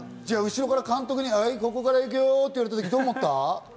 後ろから監督に、ここから行くよ！って言われた時、どう思った？